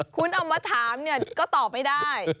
คุณเอามาถามเนี่ยก็ตอบไม่ได้